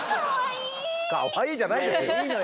かわいいじゃないですよ。